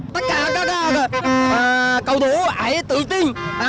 tất cả các cầu thủ hãy tự tin